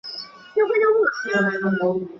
黄河丹霞景区可尽情体验黄河文化。